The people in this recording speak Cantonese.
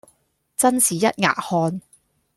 真是一額汗